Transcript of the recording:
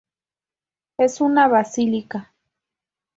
Es una basílica.